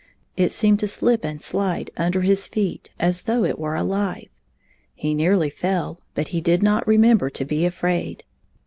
It seemed to sKp and sKde un der his feet as though it were alive. He nearly fell, but he did not remember to be afraid.